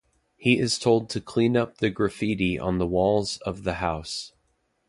He is told to clean up the graffiti on the walls of the House.